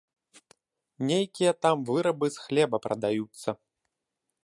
Нейкія там вырабы з хлеба прадаюцца.